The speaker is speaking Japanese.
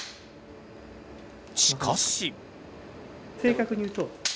しかし。